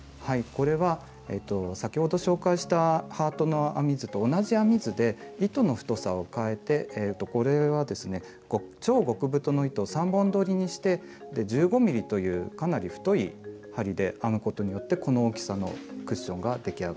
これは先ほど紹介したハートの編み図と同じ編み図で糸の太さをかえてこれはですね超極太の糸を３本どりにして１５ｍｍというかなり太い針で編むことによってこの大きさのクッションが出来上がります。